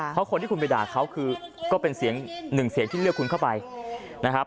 เพราะคนที่คุณไปด่าเขาคือก็เป็นเสียงหนึ่งเสียงที่เลือกคุณเข้าไปนะครับ